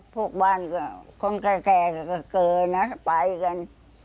พวกบ้านคนแค่ก็เกินนะไปกัน